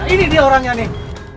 ini dia orangnya nih